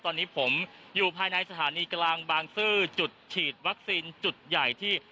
ตอนนี้ผมอยู่ภายในสถานีกลางบางซื่อจุดฉีดวัคซีนจุดใหญ่ที่